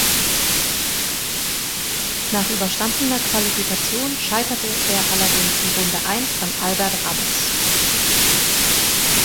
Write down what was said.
Nach überstandener Qualifikation scheiterte er allerdings in Runde eins an Albert Ramos.